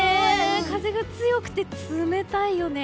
風が強くて冷たいよね。